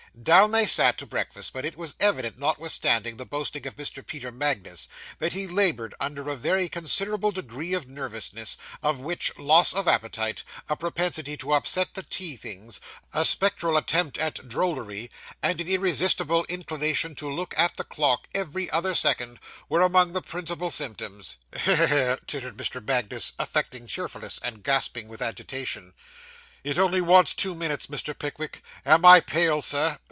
Down they sat to breakfast, but it was evident, notwithstanding the boasting of Mr. Peter Magnus, that he laboured under a very considerable degree of nervousness, of which loss of appetite, a propensity to upset the tea things, a spectral attempt at drollery, and an irresistible inclination to look at the clock, every other second, were among the principal symptoms. 'He he he,' tittered Mr. Magnus, affecting cheerfulness, and gasping with agitation. 'It only wants two minutes, Mr. Pickwick. Am I pale, Sir?